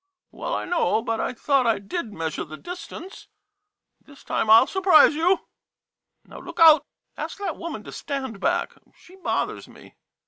Well, I know, but I thought I did measure the distance. This time I '11 surprise you. Now, look out ! Ask that woman to stand back — she bothers me.